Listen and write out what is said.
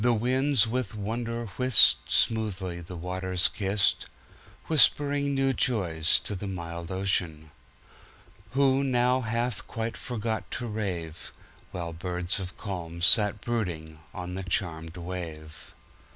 The winds with wonder whist, Smoothly the waters kist, Whispering new joys to the mild Ocean, Who now hath quite forgot to rave, While birds of calm sit brooding on the charmed wave.